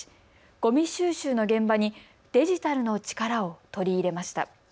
ゴミ収集の現場にデジタルの力を取り入れました。